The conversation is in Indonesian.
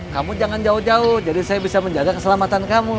kamu jangan jauh jauh jadi saya bisa menjaga keselamatan kamu